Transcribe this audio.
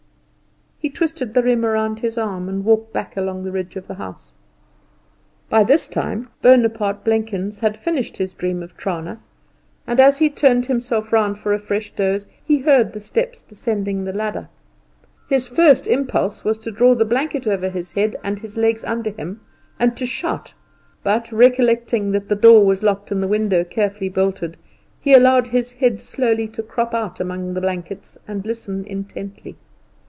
He twisted the riem round his arm and walked back along the ridge of the house. By this time Bonaparte Blenkins had finished his dream of Trana, and as he turned himself round for a fresh doze he heard the steps descending the ladder. His first impulse was to draw the blanket over his head and his legs under him, and to shout; but recollecting that the door was locked and the window carefully bolted, he allowed his head slowly to crop out among the blankets, and listened intently.